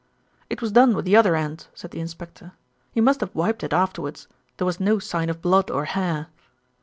"It was done with the other end," said the inspector. "He must have wiped it afterwards. There was no sign of blood or hair."